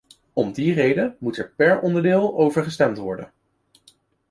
Om die reden moet er per onderdeel over gestemd worden.